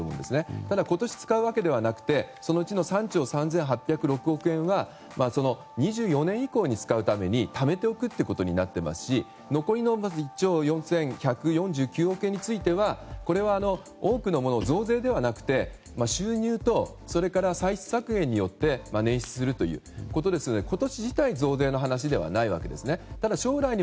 ただ、今年に使うわけではなくてそのうちの３兆３８０６億円が２４年以降に使うためにためておくということになっていますし残りについてはこれは多くのものを増税ではなくて収入とそれから歳費削減によって捻出するということですので今年自体が増税の話ではないんです。